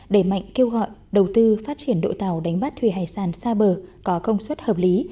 đẩy mạnh kêu gọi đầu tư phát triển đội tàu đánh bắt thủy hải sản xa bờ có công suất hợp lý